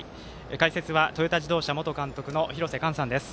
解説はトヨタ自動車元監督の廣瀬寛さんです。